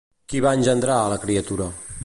Qui va engendrar a la criatura?